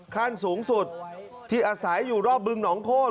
ขั้นสูงสุดที่อาศัยอยู่รอบบึงหนองโค้น